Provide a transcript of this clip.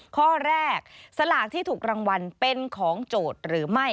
ข้อแรกสลากที่ถูกรางวัลเป็นของโจทย์หรือไม่